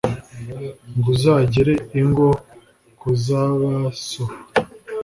Ngo uzagere ingo ku za ba so